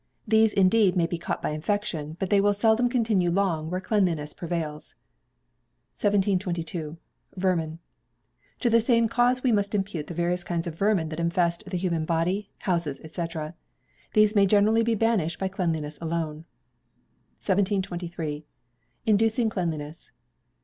These indeed may be caught by infection, but they will seldom continue long where cleanliness prevails. 1722. Vermin. To the same cause must we impute the various kinds of vermin that infest the human body, houses, &c. These may generally be banished by cleanliness alone. 1723. Inducing Cleanliness.